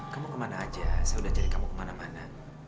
kamu kemana aja saya udah cari kamu kemana mana